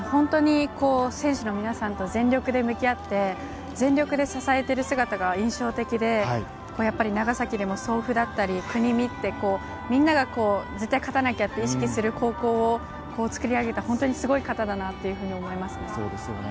選手の皆さんと全力で向き合って、全力で支えている姿が印象的で、長崎でも総附だったり、国見って、みんなが絶対勝たなきゃって意識する高校を作り上げたすごい方だなと思います。